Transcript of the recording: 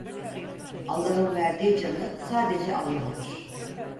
Allah’ın verdiği canı, sadece Allah alır!